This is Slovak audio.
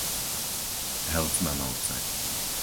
Helcmanovce